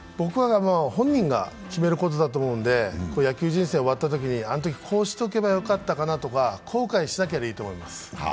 本人が決めることだと思うので野球人生を終わったときに、あのとき、こうしとけばよかったなとか後悔しなければいいと思います。